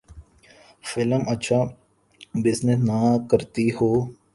Film اچھا business نہ کرتی ہو۔